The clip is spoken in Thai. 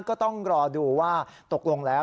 ก็ต้องรอดูว่าตกลงแล้ว